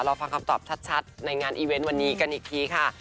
ฟังคำตอบชัดในงานอีเวนต์วันนี้กันอีกทีค่ะ